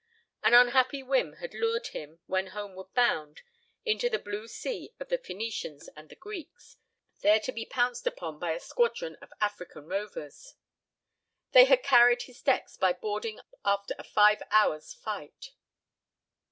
An unhappy whim had lured him, when homeward bound, into the blue sea of the Phœnicians and the Greeks, there to be pounced upon by a squadron of African rovers. They had carried his decks by boarding after a five hours' fight.